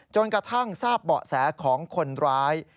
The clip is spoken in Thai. จนกระทั่งทราบเบาะแสของคนร้าย